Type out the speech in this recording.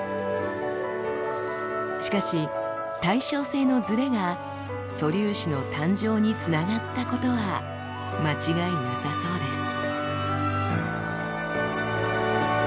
しかし対称性のズレが素粒子の誕生につながったことは間違いなさそうです。